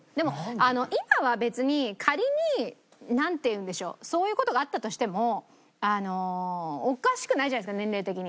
今は別に仮になんていうんでしょうそういう事があったとしてもおかしくないじゃないですか年齢的に。